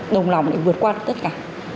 đồng lòng lại vượt qua được tất cả